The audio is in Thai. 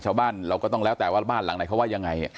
เราก็ต้องแล้วแต่ว่าบ้านหลังไหนเขาว่ายังไง